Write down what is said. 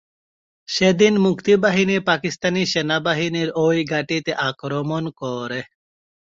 সেদিন মুক্তিবাহিনী পাকিস্তানি সেনাবাহিনীর ওই ঘাঁটিতে আক্রমণ করে।